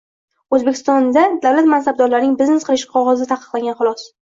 O‘zbekistonda davlat mansabdorlarining biznes qilishi qog‘ozda taqiqlangan xolos.